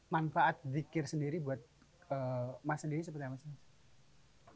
manfaat zikir sendiri buat mas sendiri seperti apa sih